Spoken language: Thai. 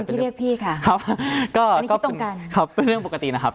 เป็นเรื่องปกตินะครับ